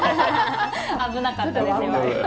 危なかったです今。